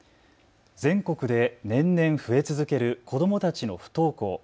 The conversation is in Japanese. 全国で年々増え続ける子どもたちの不登校。